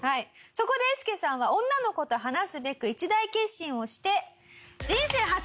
そこでえーすけさんは女の子と話すべく一大決心をして。